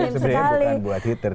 sebenarnya bukan buat heater